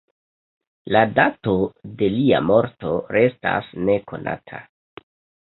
La dato de lia morto restas nekonata.